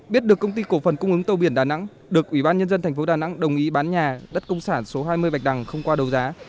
biết được công ty cổ phần cung ứng tàu biển đà nẵng được ủy ban nhân dân tp đà nẵng đồng ý bán nhà đất công sản số hai mươi bạch đằng không qua đấu giá